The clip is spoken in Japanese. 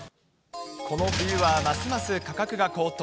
この冬はますます価格が高騰。